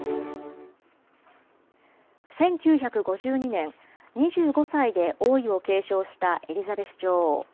１９５２年、２５歳で王位を継承したエリザベス女王。